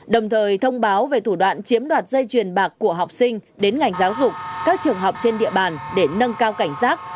đồng thời thông báo về thủ đoạn chiếm đoạt dây truyền bạc của học sinh đến ngành giáo dục các trường học trên địa bàn để nâng cao cảnh giác